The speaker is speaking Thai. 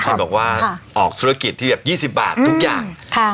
ที่บอกว่าออกธุรกิจที่แบบ๒๐บาททุกอย่าง